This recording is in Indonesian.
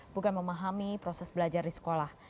bukan memahami proses belajar di sekolah